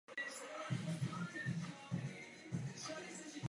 Veřejní činitelé mají kontrolní úlohu.